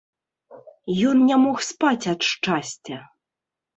Ён не мог спаць ад шчасця.